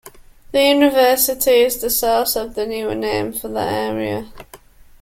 The university is the source of the newer name for the area.